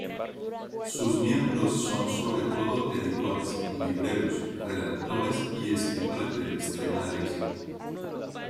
Sus miembros son sobre todo editores, libreros, redactores y escritores de extrema derecha.